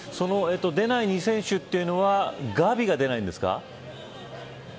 出ない可能性のある２選手というのはガヴィが出ないんですか。